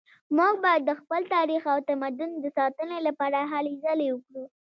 موږ باید د خپل تاریخ او تمدن د ساتنې لپاره هلې ځلې وکړو